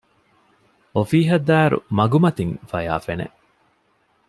އޮފީހަށް ދާއިރު މަގުމަތިން ފަޔާ ފެނެ